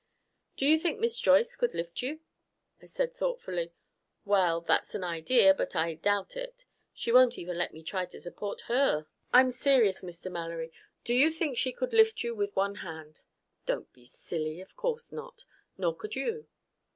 "Do you think Miss Joyce could lift you?" I said thoughtfully, "Well, that's an idea. But I doubt it. She won't even let me try to support her." "I'm serious, Mr. Mallory. Do you think she could lift you with one hand?" "Don't be silly! Of course not. Nor could you."